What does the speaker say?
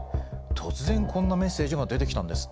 突然こんなメッセージが出てきたんです。